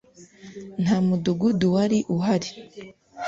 nta mudugudu wari uhari